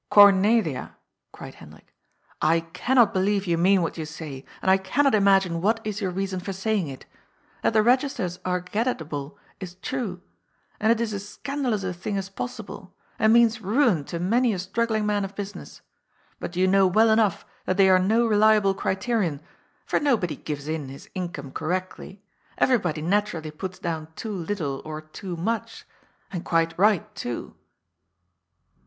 " Cornelia," cried Hendrik, " I cannot belicYe you mean what you say, and I cannot imagine what is your reason for saying it. That the registers are get at able is true, and it is as scandalous a thing as possible, and means ruin to many a struggling man of business. But you know well enough that they are no reliable criterion, for nobody gives in his income correctly. Everybody natu rally puts down too little or too much. And quite right, too."